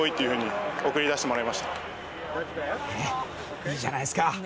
いいじゃないですか。